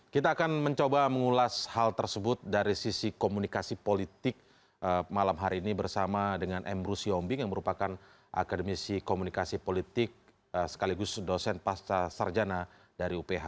kita akan mencoba mengulas hal tersebut dari sisi komunikasi politik malam hari ini bersama dengan emrus yombing yang merupakan akademisi komunikasi politik sekaligus dosen pasca sarjana dari uph